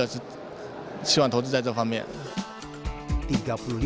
bahkan di sisi sumber